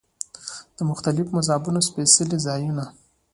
د مختلفو مذهبونو سپېڅلي ځایونه.